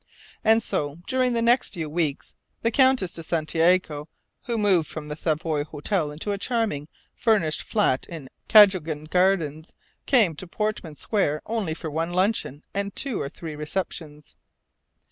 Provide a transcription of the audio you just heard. And so, during the next few weeks, the Countess de Santiago (who had moved from the Savoy Hotel into a charming, furnished flat in Cadogan Gardens) came to Portman Square only for one luncheon and two or three receptions.